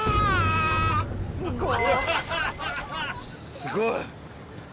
すごい。